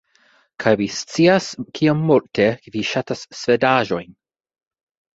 - Kaj vi scias kiom multe vi ŝatas svedaĵojn